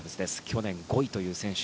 去年５位という選手。